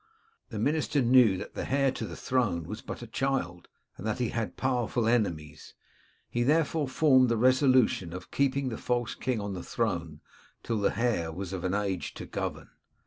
The minister knew that the heir to the throne was but a child, and that he had powerful enemies. He therefore formed the resolu tion of keeping the false king on the throne till the heir was of age to govern.